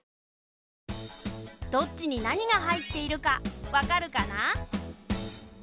どっちになにがはいっているかわかるかな？